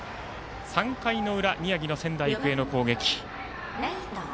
３回の裏、宮城の仙台育英の攻撃。